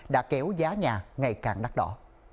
đã kéo giá nhà ngày càng đắt đỏ